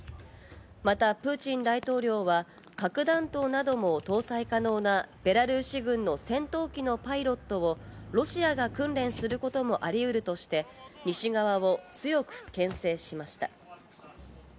またプーチン大統領は核弾頭なども搭載可能なベラルーシ軍の戦闘機のパイロットをロシアが訓練することもありうるとして西側を強くけん制しました。